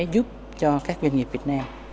giúp cho các doanh nghiệp việt nam